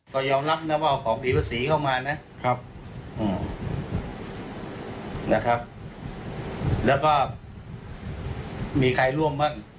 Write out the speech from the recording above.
ก็ยอมรับนะว่าเอาของหรีวศรีเข้ามานะครับอืมนะครับแล้วก็มีใครร่วมบ้าง